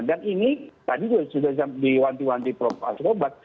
dan ini tadi sudah diwanti wanti prof asrobat